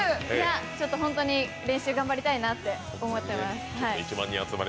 本当に練習頑張りたいなって思ってます。